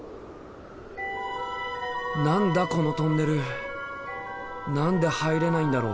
何だこのトンネル何で入れないんだろう。